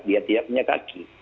dia tidak punya kaki